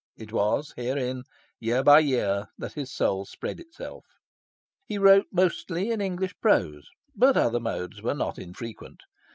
It was herein, year by year, that his soul spread itself. He wrote mostly in English prose; but other modes were not infrequent.